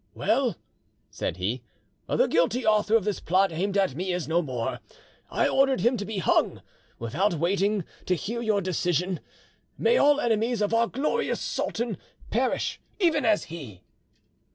"Well," said he, "the guilty author of this plot aimed at me is no more; I ordered him to be hung without waiting to hear your decision. May all enemies of our glorious sultan perish even as he!"